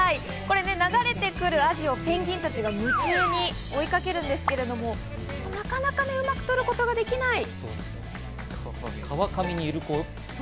流れてくるアジをペンギンたちが夢中で追いかけるんですけれども、なかなかうまく取ることができない。